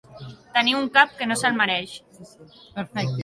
Tenir un cap que no se'l mereix.